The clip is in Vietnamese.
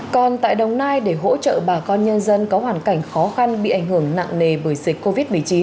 còn tại đồng nai để hỗ trợ bà con nhân dân có hoàn cảnh khó khăn bị ảnh hưởng nặng nề bởi dịch covid một mươi chín